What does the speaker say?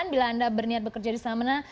bila anda berniat bekerja di saham mana